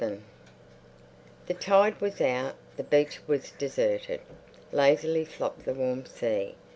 VII The tide was out; the beach was deserted; lazily flopped the warm sea.